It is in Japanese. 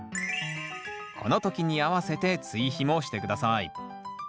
この時に合わせて追肥もして下さい。